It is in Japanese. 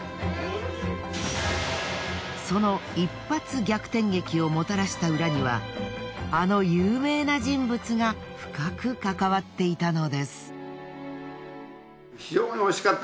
その一発逆転劇をもたらした裏にはあの有名な人物が深くかかわっていたのです。